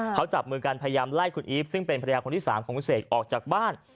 เขาจับมือกันพยายามไล่คุณอีฟซึ่งเป็นภรรยาคนที่๓ของคุณเสกออกจากบ้าน